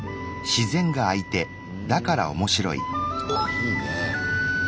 いいね。